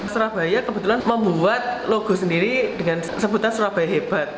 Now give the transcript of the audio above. surabaya kebetulan membuat logo sendiri dengan sebutan surabaya hebat